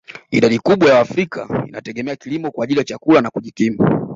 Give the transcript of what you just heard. Idadi kubwa ya waafrika inategemea kilimo kwa ajili ya chakula na kujikimu